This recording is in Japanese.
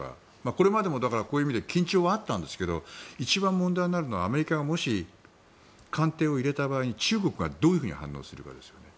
これまでも、そういう意味で緊張はあったんですが一番問題になるのはアメリカがもし艦艇を入れた場合中国がどういうふうに反応するかですよね。